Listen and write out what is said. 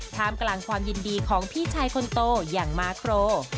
ท่ามกลางความยินดีของพี่ชายคนโตอย่างมาโคร